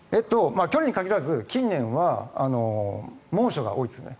去年に限らず近年は猛暑が多いですね。